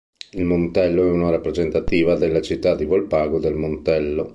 Il Montello è una rappresentativa della città di Volpago del Montello.